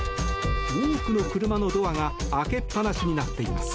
多くの車のドアが開けっ放しになっています。